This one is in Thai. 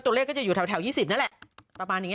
ตัวเลขก็จะอยู่แถว๒๐นั่นแหละ